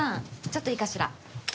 ちょっといいかしら？